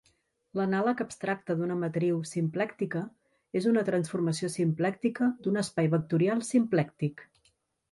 L'anàleg abstracte d'una matriu simplèctica és una transformació simplèctica d'un espai vectorial simplèctic.